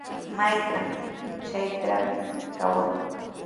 Maytraw chaytrawpis kawan.